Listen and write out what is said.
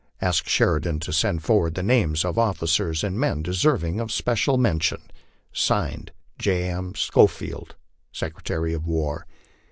Ask Sheridan to send forward the names of officers and men deserving of special raen tion. (Signed) J. M. SCHOFIELD, Secretary of War.